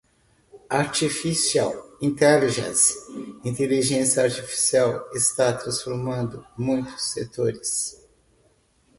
Artificial Intelligence (Inteligência Artificial) está transformando muitos setores.